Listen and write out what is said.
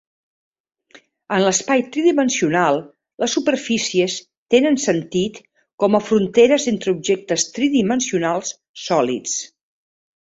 En l'espai tridimensional, les superfícies tenen sentit com a fronteres entre objectes tridimensionals sòlids.